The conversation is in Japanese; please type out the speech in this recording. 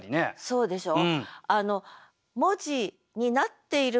そうでしょう？